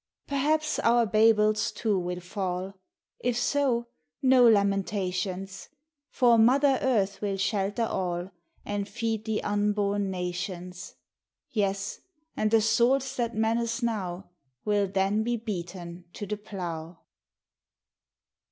Perhaps our Babels too will fall; If so, no lamentations, For Mother Earth will shelter all, And feed the unborn nations; Yes, and the swords that menace now, Will then be beaten to the plough.